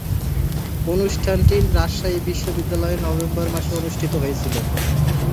অনুষ্ঠানটি রাজশাহী বিশ্বনিদ্যালয়ে নভেম্বর মাসে অনুষ্ঠিত হয়েছিলো।